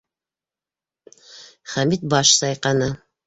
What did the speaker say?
Хәмит баш сайҡаны.